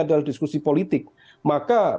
adalah diskusi politik maka